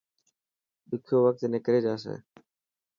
ڏکيو وقت نڪري جاسي.